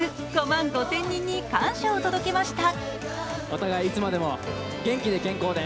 全３６曲、５万５０００人に感謝を届けました。